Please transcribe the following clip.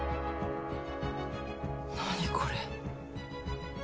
何これ。